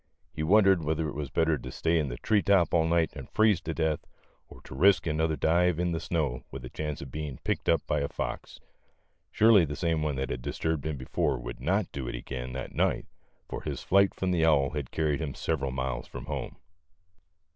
He wondered whether it was better to stay in the tree top all night and freeze to death, or to risk another dive in the snow with a chance of being picked up by a fox. Surely the same one that had disturbed him before would not do it again that night, for his flight from the owl had carried him several miles from home.